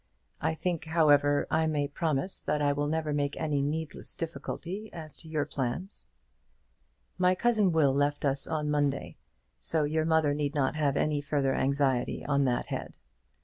I think, however, I may promise that I will never make any needless difficulty as to your plans. My cousin Will left us on Monday, so your mother need not have any further anxiety on that head.